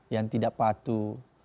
yang tidak patuh